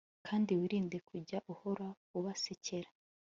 kandi wirinde kujya uhora ubasekera